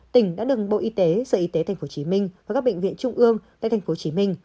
tỉnh đã đựng bộ y tế sở y tế tp hcm và các bệnh viện trung ương tại tp hcm